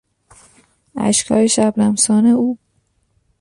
اشکهای شبنمسان او